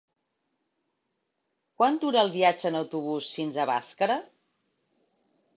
Quant dura el viatge en autobús fins a Bàscara?